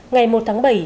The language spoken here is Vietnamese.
ngày một tháng bảy